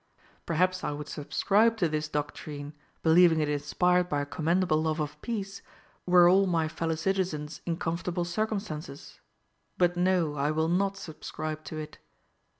Perhaps I would subscribe to this doctrine, believing it inspired by a commendable love of peace, were all my fellow citizens in comfortable circumstances; but, no! I will not subscribe to it.